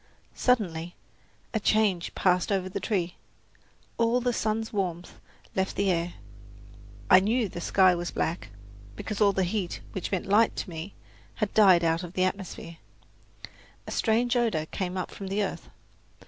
Suddenly a change passed over the tree. All the sun's warmth left the air. I knew the sky was black, because all the heat, which meant light to me, had died out of the atmosphere. A strange odour came up from the earth.